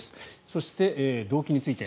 そして、動機について。